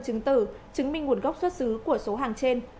chứng tử chứng minh nguồn gốc xuất xứ của số hàng trên